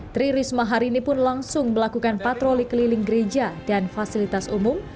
tri risma hari ini pun langsung melakukan patroli keliling gereja dan fasilitas umum